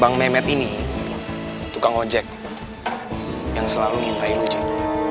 bang mehmet ini tukang ojek yang selalu ngintai lo jen